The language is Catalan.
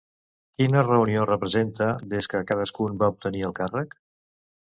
Quina reunió representa des que cadascun van obtenir el càrrec?